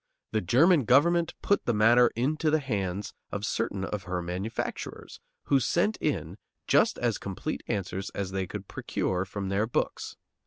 The German government put the matter into the hands of certain of her manufacturers, who sent in just as complete answers as they could procure from their books.